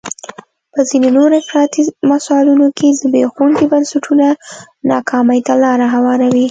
په ځینو نورو افراطي مثالونو کې زبېښونکي بنسټونه ناکامۍ ته لار هواروي.